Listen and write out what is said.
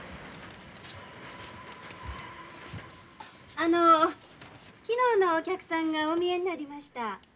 あの昨日のお客さんがお見えになりました。